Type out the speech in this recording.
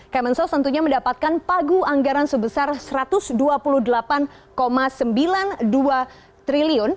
kemensos tentunya mendapatkan pagu anggaran sebesar rp satu ratus dua puluh delapan sembilan puluh dua triliun